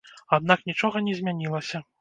Аднак нічога не змянілася.